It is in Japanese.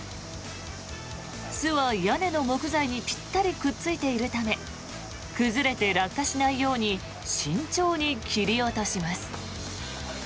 巣は屋根の木材にぴったりくっついているため崩れて落下しないように慎重に切り落とします。